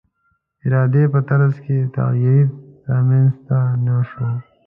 ادارې په طرز کې تغییر رامنځته نه شو.